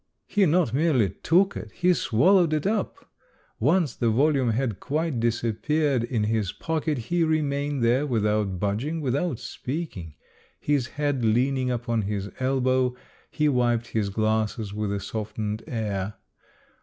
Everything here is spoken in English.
He not merely took it, he swallowed it up. Once the volume had quite disappeared in his pocket he remained there without budging, without speaking; his head leaning upon his elbow, he wiped his glasses with a softened air.